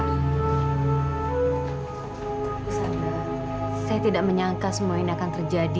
bu sandra saya tidak menyangka semua ini akan terjadi